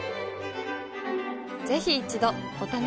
ぜひ一度お試しを。